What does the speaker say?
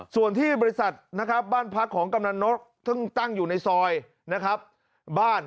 ส่วนที่บริษัทบ้านพักของกำหนังนกตั้งอยู่ในซอยบ้าน